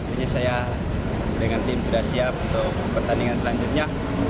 ini saya dengan tim sudah siap untuk pertandingan selanjutnya